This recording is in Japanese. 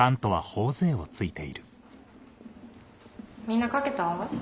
みんな書けた？